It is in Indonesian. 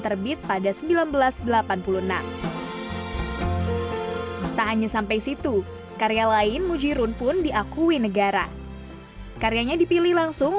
terbit pada seribu sembilan ratus delapan puluh enam tak hanya sampai situ karya lain mujirun pun diakui negara karyanya dipilih langsung